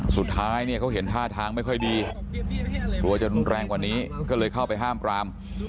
สุดท้ายเนี่ยเขาเห็นท่าทางไม่ค่อยดีกลัวจะรุนแรงกว่านี้ก็เลยเข้าไปห้ามปราม